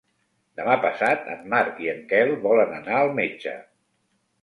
Demà passat en Marc i en Quel volen anar al metge.